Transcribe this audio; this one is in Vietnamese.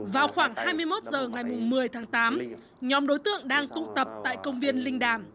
vào khoảng hai mươi một h ngày một mươi tháng tám nhóm đối tượng đang tụ tập tại công viên linh đàm